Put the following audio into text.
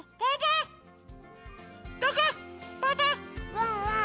ワンワン